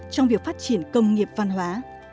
trong việc phát triển công nghiệp văn hóa